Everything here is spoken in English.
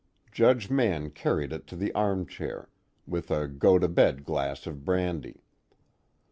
_ Judge Mann carried it to the armchair, with a go to bed glass of brandy.